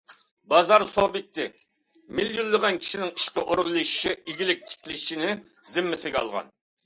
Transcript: بازار سۇبيېكتى مىليونلىغان كىشىنىڭ ئىشقا ئورۇنلىشىشى، ئىگىلىك تىكلىشىنى زىممىسىگە ئالغان.